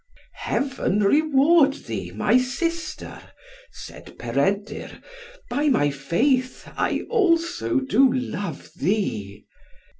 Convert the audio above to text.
"Heaven reward thee, my sister," said Peredur, "by my faith, I also do love thee."